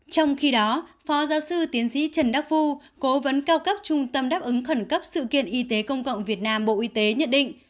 trong khi đó phó giáo sư tiến sĩ trần đắc phu cố vấn cao cấp trung tâm đáp ứng khẩn cấp sự kiện y tế công cộng việt nam bộ y tế nhận định